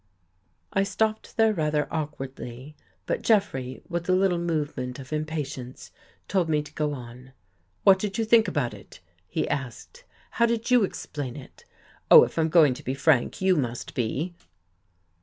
I stopped there rather awkwardly, but Jeffrey, with a little movement of impatience, told me to go on. "What did you think about it?" he asked. " How did you explain it? Oh, if I'm going to be frank, you must be."